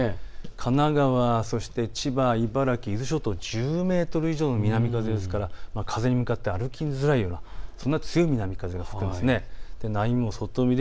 神奈川、そして千葉、茨城、伊豆諸島、１０メートル以上の南風ですから風に向かって歩きづらい、そのような強い南風が吹きそうです。